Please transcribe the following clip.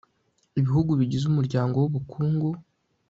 ibihugu bigize Umuryango w Ubukungu